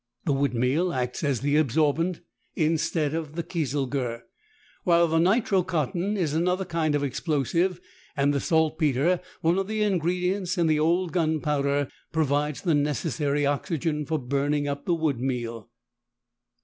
The wood meal acts as the absorbent instead of the kieselguhr, while the nitro cotton is another kind of explosive and the saltpetre, one of the ingredients in the old gunpowder, provides the necessary oxygen for burning up the wood meal.